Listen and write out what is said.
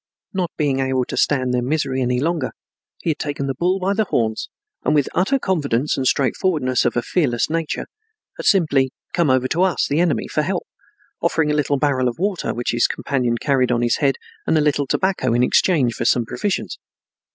Not being able to stand their misery any longer, he had taken the bull by the horns and, with the utter confidence and straightforwardness of a fearless nature, had simply come over to us, the enemy, for help, offering a little barrel of water which his companion carried on his head and a little tobacco, in exchange for some provisions.